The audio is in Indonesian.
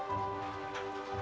kau bisa lihat kebenaran lia